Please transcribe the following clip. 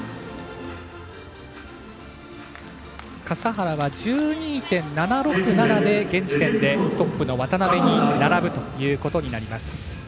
笠原は、１２．７６７で現時点でトップの渡部に並ぶということになります。